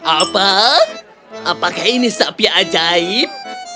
apa apakah ini sapi ajaib